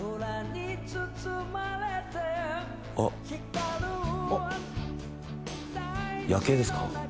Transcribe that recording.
あっあっ夜景ですか？